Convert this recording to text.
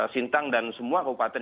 sintang dan semua kabupaten